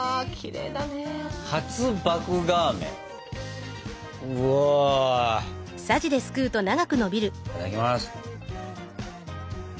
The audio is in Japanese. いただきます。